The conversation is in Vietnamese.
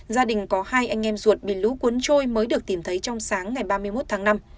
gia đình có hai anh em ruột bị lũ cuốn trôi mới được tìm thấy trong sáng ngày ba mươi một tháng năm